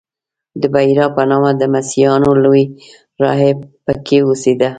د بحیرا په نامه د مسیحیانو یو لوی راهب په کې اوسېده.